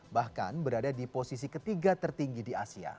bahkan berada di posisi ketiga tertinggi di asia